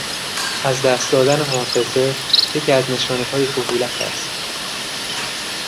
از دست دادن حافظه یکی از نشانههای کهولت است.